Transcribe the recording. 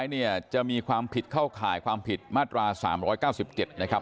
ส่งข้อมูลให้ผมนะครับเพื่อเราจะตามหาติดตามคนร้ายตัวจริงนะครับ